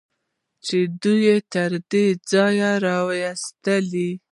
چې دوی یې تر دې ځایه راوستل.